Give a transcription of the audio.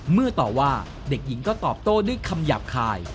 เมื่อต่อว่าเด็กหญิงก็ตอบโต้ด้วยคำหยาบคาย